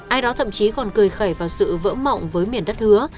ai đó thậm chí còn cười khởi vào sự vỡ mộng với miền đất hứa